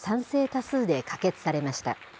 多数で可決されました。